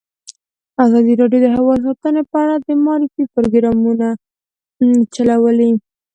ازادي راډیو د حیوان ساتنه په اړه د معارفې پروګرامونه چلولي.